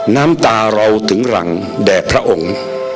น้ำตาเราถึงหลังแด่พระองค์